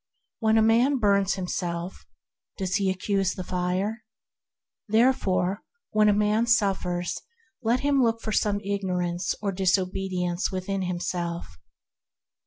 When a man burns himself, does he accuse the fire ? Therefore when a man suffers, let him look for some ignorance or disobedience within himself.